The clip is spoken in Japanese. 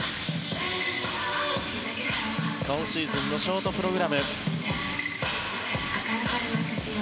今シーズンのショートプログラム。